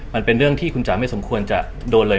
มันเป็นเรื่องที่คุณจ๋าไม่สมควรจะโดนเลย